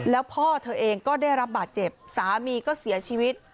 แล้วพ่อเธอเองก็ได้รับบาดเจ็บสามีก็เสียชีวิต